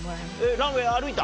ランウエー歩いた？